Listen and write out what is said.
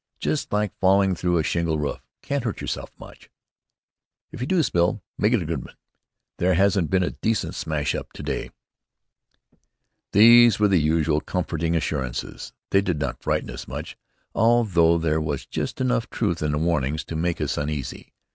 Just like falling through a shingle roof. Can't hurt yourself much." "If you do spill, make it a good one. There hasn't been a decent smash up to day." These were the usual comforting assurances. They did not frighten us much, although there was just enough truth in the warnings to make us uneasy.